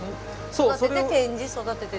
育てて展示育てて展示。